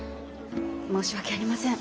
申し訳ありません。